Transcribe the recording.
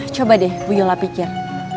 coba deh bu yola pikir